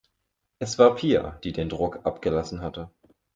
Es war Pia, die den Druck abgelassen hatte.